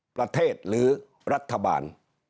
ประเทศหรือรัฐบาล